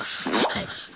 はい。